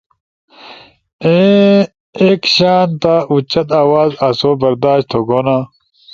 این ایک شانتا اُوچت اواز آسو برداشت تھوگونا